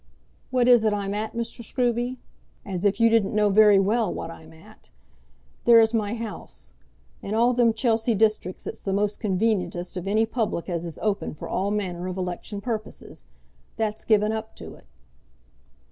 "What is it I'm at, Mr. Scruby? As if you didn't know very well what I'm at. There's my house; in all them Chelsea districts it's the most convenientest of any public as is open for all manner of election purposes. That's given up to it."